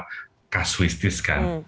yang bersifat kasuistis kan